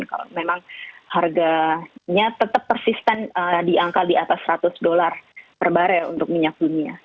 kalau memang harganya tetap persisten diangkal di atas seratus dolar per barel untuk minyak bumi ya